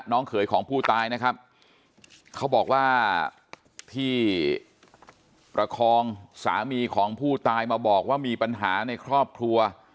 เขยของผู้ตายนะครับเขาบอกว่าที่ประคองสามีของผู้ตายมาบอกว่ามีปัญหาในครอบครัว